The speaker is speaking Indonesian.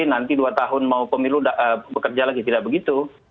nanti dua tahun mau pemilu bekerja lagi tidak begitu